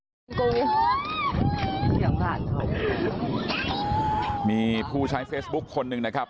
มึงค่อยกลับมามึงจะเจอมีผู้ใช้เฟซบุ๊คคนหนึ่งนะครับ